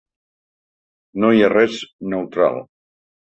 No hi ha res neutral.